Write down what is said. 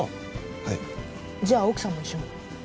はいじゃ奥さんも一緒に？